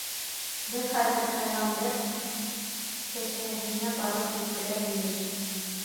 Беҙ хәҙер Пәйғәмбәр кәшәнәһенә барып етергә тейеш.